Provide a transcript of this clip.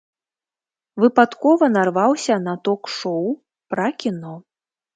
Выпадкова нарваўся на ток-шоў пра кіно.